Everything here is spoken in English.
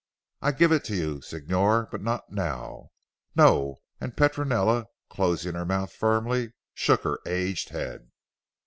I give it to you Signor, but not now; "No," and Petronella closing her mouth firmly shook her aged head.